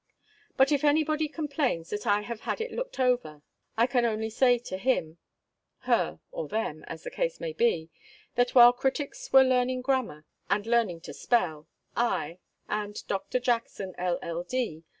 But if any body complains that I have had it looked over, I can only say to him, her, or them as the case may be that while critics were learning grammar, and learning to spell, I, and "Doctor Jackson, L.L.D."